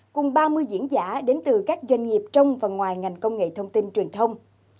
cùng ba mươi diễn giả đến từ các doanh nghiệp trong và ngoài ngành công nghệ thông tin truyền thông